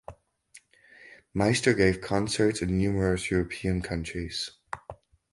Meister gave concerts in numerous European countries.